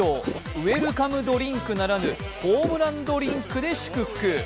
ウエルカムドリンクならぬホームランドリンクで祝福。